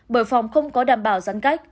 bởi phòng không có đảm bảo giãn cách